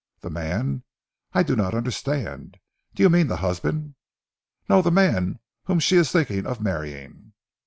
"The man? I do not understand. Do you mean the husband?" "No, the man whom she is thinking of marrying?"